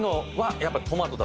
やっぱ。